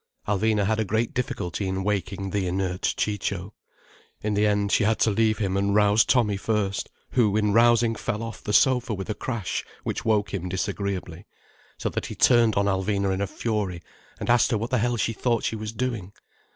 Alvina had a great difficulty in waking the inert Ciccio. In the end, she had to leave him and rouse Tommy first: who in rousing fell off the sofa with a crash which woke him disagreeably. So that he turned on Alvina in a fury, and asked her what the hell she thought she was doing.